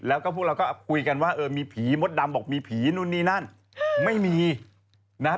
แล้วก็พวกเราก็คุยกันว่าเออมีผีมดดำบอกมีผีนู่นนี่นั่นไม่มีนะครับ